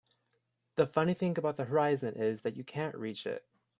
The funny thing about the horizon is that you can't reach it.